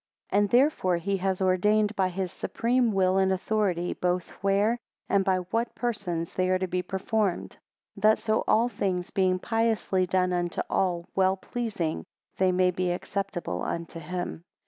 15 And therefore he has ordained by his supreme will and authority, both where, and by what persons, they are to be performed; that so all things being piously done unto all well pleasing, they may be acceptable unto him.